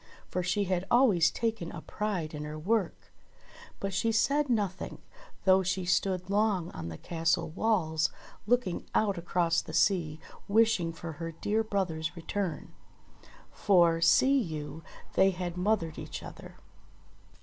For she had always taken a pride in her work. But she said nothing, though she stood long on the castle walls looking out across the sea wish ing for her dear brother's return ; for, see you, they had mothered each other.